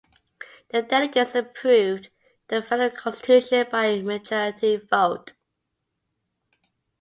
The delegates approved the Federal Constitution by majority vote.